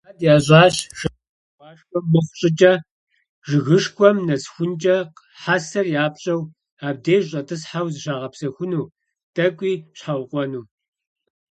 Мурад ящӀащ, шэджагъуашхэ мыхъу щӀыкӀэ жыгышхуэм нэсыхункӀэ хьэсэр япщӀэу, абдеж щӀэтӀысхьэу зыщагъэпсэхуну, тӀэкӀуи щхьэукъуэну.